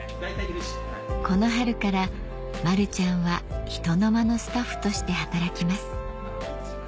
この春からマルちゃんはひとのまのスタッフとして働きます